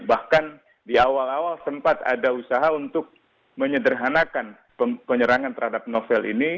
bahkan di awal awal sempat ada usaha untuk menyederhanakan penyerangan terhadap novel ini